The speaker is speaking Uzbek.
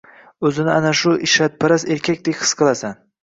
O’zini ana shu ishratparast erkakdek his qilasan.